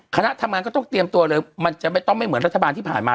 คณะทำงานก็ต้องเตรียมตัวเลยมันจะไม่ต้องไม่เหมือนรัฐบาลที่ผ่านมา